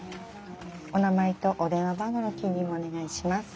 お名前とお電話番号の記入もお願いします。